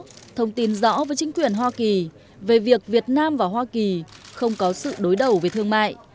thủ tướng đề nghị ông john kerry thông tin rõ với chính quyền hoa kỳ về việc việt nam và hoa kỳ không có sự đối đầu về thương mại